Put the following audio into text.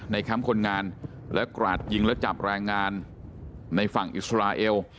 แคมป์คนงานและกราดยิงและจับแรงงานในฝั่งอิสราเอล